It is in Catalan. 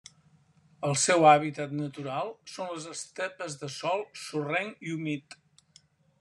El seu hàbitat natural són les estepes de sòl sorrenc i humit.